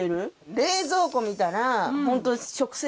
冷蔵庫見たらホント。